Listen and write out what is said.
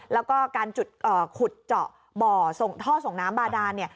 แล้วก็การขุดเจาะบ่อท่อส่งน้ำบาดานเนี่ย